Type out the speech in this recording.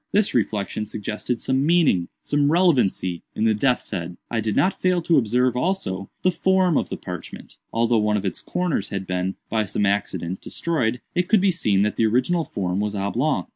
This reflection suggested some meaning—some relevancy—in the death's head. I did not fail to observe, also, the form of the parchment. Although one of its corners had been, by some accident, destroyed, it could be seen that the original form was oblong.